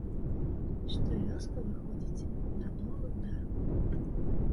Што вёска выходзіць на новую дарогу.